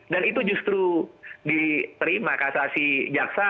dan itu justru diterima kasasi jaksa